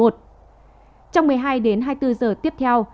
trong một mươi hai đến hai mươi bốn giờ tiếp theo